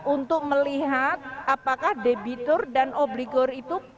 untuk melihat apakah debitor dan obligor